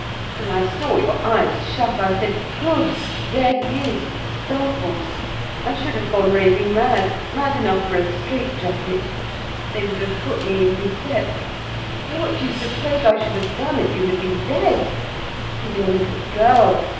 When I saw your eyes shut, I said: 'Good! there he is, stifled,' I should have gone raving mad, mad enough for a strait jacket. They would have put me in Bicêtre. What do you suppose I should have done if you had been dead? And your little girl?